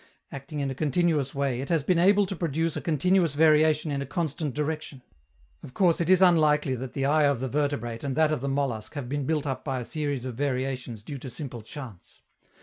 Acting in a continuous way, it has been able to produce a continuous variation in a constant direction. Of course it is unlikely that the eye of the vertebrate and that of the mollusc have been built up by a series of variations due to simple chance.